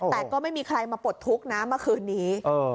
แต่ก็ไม่มีใครมาปลดทุกข์นะเมื่อคืนนี้